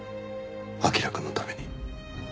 彬くんのために。